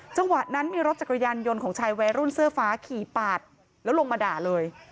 จังหวะนั้นมีรถจักรยานยนต์ของชายวัยรุ่นเสื้อฟ้าขี่ปาดแล้วลงมาด่าเลย